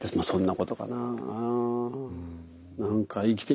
そんなことかなあ。